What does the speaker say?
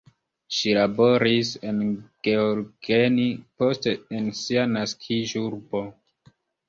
Ŝi laboris en Gheorgheni, poste en sia naskiĝurbo.